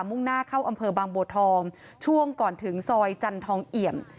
่งหน้าเข้าอำเภอบางบัวทองช่วงก่อนถึงซอยจันทองเอี่ยม